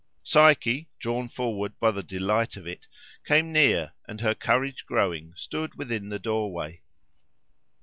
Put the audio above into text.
Psyche, drawn forward by the delight of it, came near, and, her courage growing, stood within the doorway.